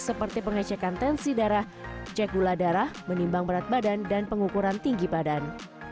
seperti pengecekan tensi darah cek gula darah menimbang berat badan dan pengukuran tinggi badan